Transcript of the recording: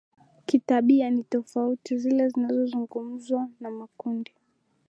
kitabia ni tofauti na zile zinazozungumzwa namakundi